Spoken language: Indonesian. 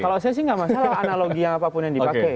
kalau saya sih nggak masalah analogi yang apapun yang dipakai